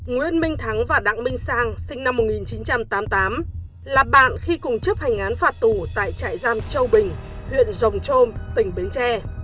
nguyễn minh thắng và đặng minh sang sinh năm một nghìn chín trăm tám mươi tám là bạn khi cùng chấp hành án phạt tù tại trại giam châu bình huyện rồng trôm tỉnh bến tre